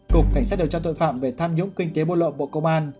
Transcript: cục cảnh sát điều tra tội phạm về tham nhũng kinh tế buôn lộ bộ công an